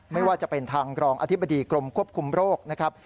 ไม่ว่าจะเป็นทางรองอธิบดีกรมควบคุมโรคนะครับ